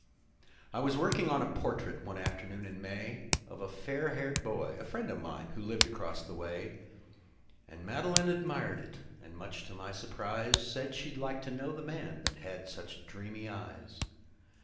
"I was working on a portrait, one afternoon in May, Of a fair haired boy, a friend of mine, who lived across the way. And Madeline admired it, and much to my surprise, Said she'd like to know the man that had such dreamy eyes.